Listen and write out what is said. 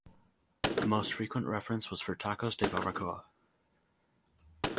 The most frequent reference was for "tacos de barbacoa".